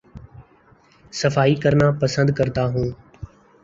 صفائی کرنا پسند کرتا ہوں